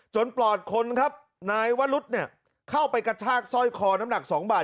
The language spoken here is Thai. ปลอดคนครับนายวรุษเนี่ยเข้าไปกระชากสร้อยคอน้ำหนัก๒บาท